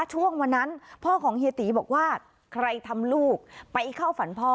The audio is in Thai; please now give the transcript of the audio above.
ช่วงวันนั้นพ่อของเฮียตีบอกว่าใครทำลูกไปเข้าฝันพ่อ